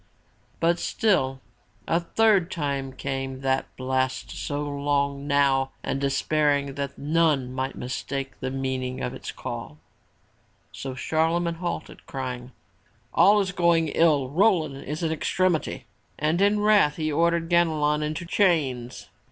But still a third time came that blast so long now and despair ing that none might mistake the meaning of its call. So Charle magne halted, crying: "All is going ill. Roland is in extremity!" And in wrath he ordered Ganelon into chains.